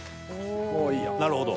なるほど。